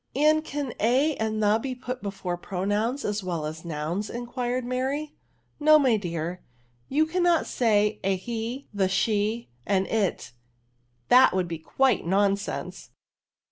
*' And can a and fhe be put before pro^ nouns as well as nouns ?inquired Mary « ARTICLES. 45 •' No, my dear ; you cannot «ay a he, the^ she, an it : that would be quite nonsense